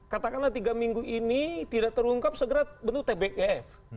katakanlah tiga minggu ini tidak terungkap segera bentuk tbif